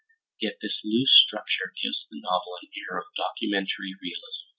Yet this loose structure gives the novel an air of documentary realism.